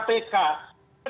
pertama pimpinan kpk